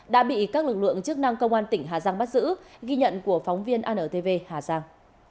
đã bị các lực lượng chức năng công an tỉnh hà giang bắt giữ ghi nhận của phóng viên antv hà giang